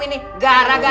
jangan jangan jangan